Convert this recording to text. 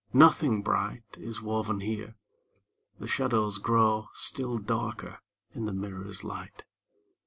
Nothing bright Is woven here: the shadows grow Still darker in the mirror's light!